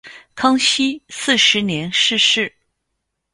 康熙四十年逝世。